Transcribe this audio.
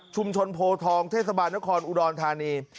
โพทองเทศบาลนครอุดรธานี